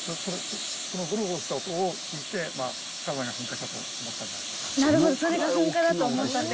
そのゴロゴロした音を聞いて火山が噴火したと思ったんじゃないですか